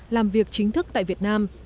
làm việc chính thức tại việt nam